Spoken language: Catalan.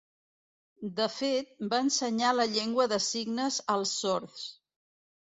De fet, va ensenyar la llengua de signes als sords.